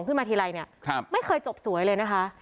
ขึ้นมาทีไรเนี่ยไม่เคยจบสวยเลยนะคะ